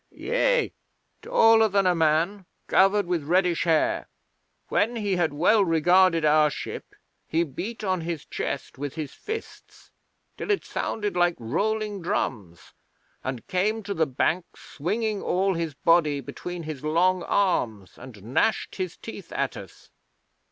'Yea. Taller than a man; covered with reddish hair. When he had well regarded our ship, he beat on his chest with his fists till it sounded like rolling drums, and came to the bank swinging all his body between his long arms, and gnashed his teeth at us.